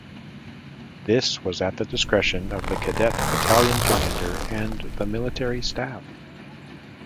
This was at the discretion of the cadet Battalion Commander and the Military staff.